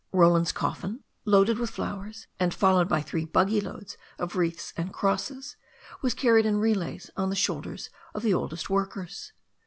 Roland's coffin, loaded with flowers, and followed by three buggy loads of wreaths and crosses, was carried in relays on the shoulders of the oldest workers.